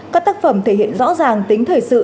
các tác phẩm thể hiện rõ ràng tính thời sự